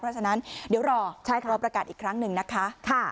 เพราะฉะนั้นเดี๋ยวรอประกาศอีกครั้งหนึ่งนะคะ